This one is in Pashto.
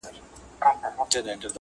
مکتب د میني محبت ومه زه,